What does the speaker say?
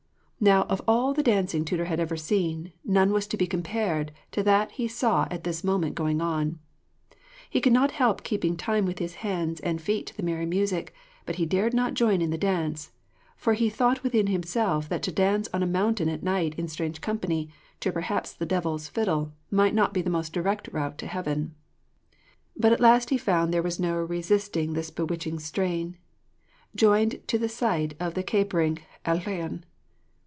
Now of all the dancing Tudur had ever seen, none was to be compared to that he saw at this moment going on. He could not help keeping time with his hands and feet to the merry music, but he dared not join in the dance, 'for he thought within himself that to dance on a mountain at night in strange company, to perhaps the devil's fiddle, might not be the most direct route to heaven.' But at last he found there was no resisting this bewitching strain, joined to the sight of the capering Ellyllon.